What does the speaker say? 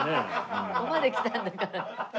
「ここまで来たんだから」。